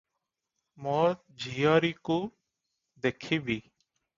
ମୋ ଝିଅରୀକୁ ଦେଖିବି ।